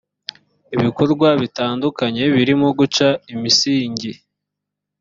ibikorwa bitandukanye birimo guca imisingi